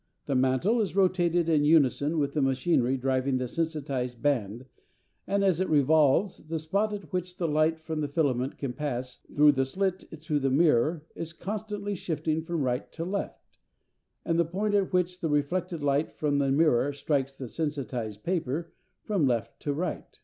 The mantle is rotated in unison with the machinery driving the sensitised band; and as it revolves, the spot at which the light from the filament can pass through the slit to the mirror is constantly shifting from right to left, and the point at which the reflected light from the mirror strikes the sensitised paper from left to right.